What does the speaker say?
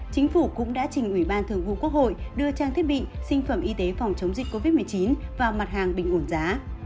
chính phủ cũng đã trình ủy ban thường vụ quốc hội đưa trang thiết bị sinh phẩm y tế phòng chống dịch covid một mươi chín vào mặt hàng bình ổn giá